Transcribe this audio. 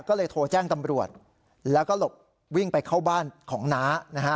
ก็เลยโทรแจ้งตำรวจแล้วก็หลบวิ่งไปเข้าบ้านของน้านะฮะ